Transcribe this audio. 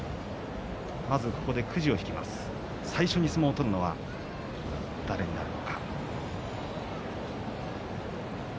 まずここで、くじを引きます最初に相撲を取るのは誰になるのか。